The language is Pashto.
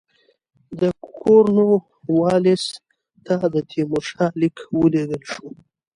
د کورنوالیس ته د تیمورشاه لیک ولېږل شو.